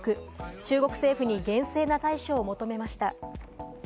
中国政府に厳正な対処を求めました。